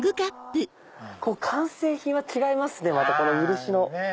完成品は違いますねまた漆の。